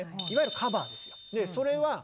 いわゆる「カバー」ですよ。